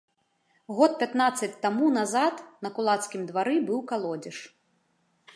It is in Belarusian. Год пятнаццаць таму назад на кулацкім двары быў калодзеж.